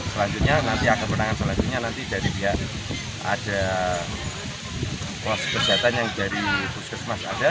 selanjutnya nanti akan penanganan selanjutnya nanti dari pihak ada pos kesehatan yang dari puskesmas ada